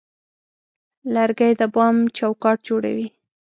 لرګی د بام چوکاټ جوړوي.